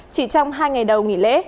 chỉ trong hai ngày đầu nghỉ lễ